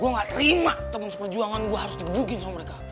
gue nggak terima teman seperjuangan gue harus digedukin sama mereka